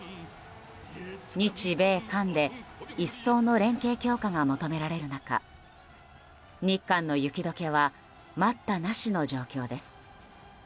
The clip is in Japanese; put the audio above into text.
日米韓で一層の連携強化が求められる中日韓の雪解けは待ったなしの状況です。